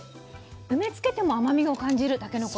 梅つけても甘みを感じるたけのこ。